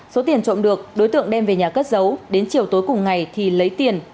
số tiền trộm được đối tượng đem về nhà cất giấu đến chiều tối cùng ngày thì lấy tiền